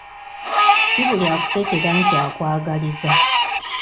Si buli akusekera nti akwagaliza.